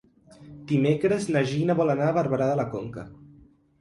Dimecres na Gina vol anar a Barberà de la Conca.